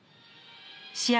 試合